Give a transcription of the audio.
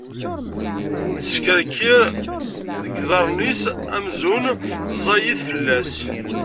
Teskerkir deg yiḍarren-is amzun ẓẓayit fell-as.